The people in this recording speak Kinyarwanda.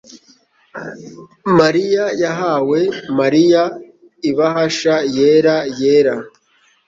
mariya yahaye Mariya ibahasha yera yera